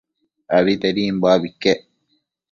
Abitedimbo abi iquec